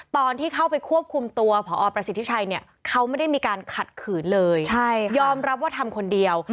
ตอนที่เข้าไปควบคุมตัวพอประสิทธิชัยเนี่ยเขาไม่ได้มีการขัดขืนเลยยอมรับว่าทำคนเดียว